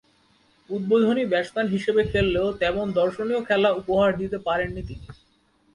উদ্বোধনী ব্যাটসম্যান হিসেবে খেললেও তেমন দর্শনীয় খেলা উপহার দিতে পারেননি তিনি।